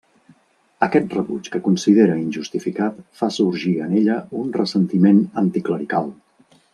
Aquest rebuig que considera injustificat fa sorgir en ella un ressentiment anticlerical.